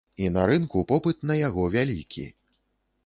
І на рынку попыт на яго вялікі.